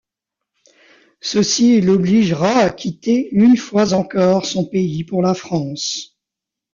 Ceci l’obligera à quitter une fois encore son pays pour la France.